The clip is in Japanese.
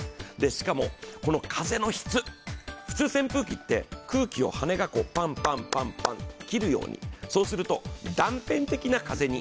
しかも、この風の質、普通扇風機って空気の風がパンパンパンと切るように、そうすると断片的な風に。